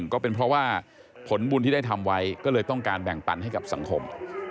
ก็เป็นเพราะว่าผลบุญที่ได้ทำไว้ก็เลยต้องการแบ่งปันให้กับสังคม